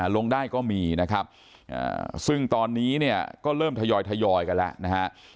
ลงได้ก็มีนะครับซึ่งตอนนี้ก็เริ่มทยอยกันแล้ว